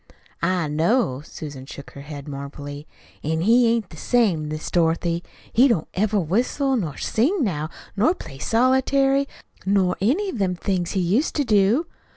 "I know." Susan shook her head mournfully. "An' he ain't the same, Miss Dorothy. He don't ever whistle nor sing now, nor play solitary, nor any of them things he used to do.